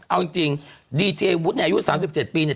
เอาจริงดีเทย์วุฒิอายุ๓๗ปีเนี่ย